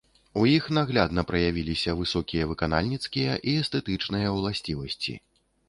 У іх наглядна праявіліся высокія выканальніцкія і эстэтычныя ўласцівасці.